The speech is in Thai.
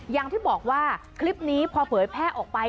อย่างที่บอกว่าคลิปนี้พอเผยแพร่ออกไป